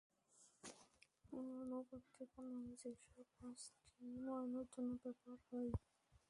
পুরানো পত্রিকা নয় যেসব প্যাস্ট্রি মোড়ানোর জন্য ব্যবহার হয়।